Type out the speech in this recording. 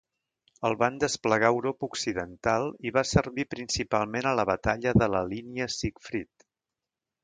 El van desplegar a Europa Occidental i va servir principalment a la Batalla de la línia Sigfrid.